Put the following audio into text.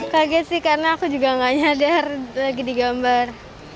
kaget sih karena aku juga gak nyadar lagi digambar